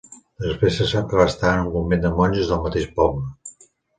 Després se sap que va estar en un convent de monges del mateix poble.